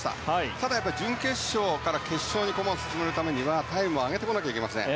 ただ、準決勝から決勝に駒を進めるためにはタイムを上げてこなきゃいけません。